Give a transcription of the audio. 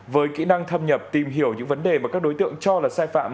với kỹ năng thâm nhập tìm hiểu những vấn đề mà các đối tượng cho là sai phạm